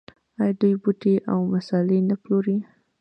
آیا دوی بوټي او مسالې نه پلوري؟